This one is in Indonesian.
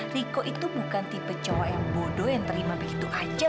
riko itu bukan tipe cowok yang bodoh yang terima begitu saja